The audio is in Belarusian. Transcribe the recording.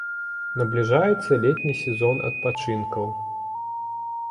Набліжаецца летні сезон адпачынкаў.